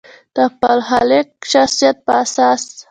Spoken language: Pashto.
د خپل خلاق شخصیت په اساس.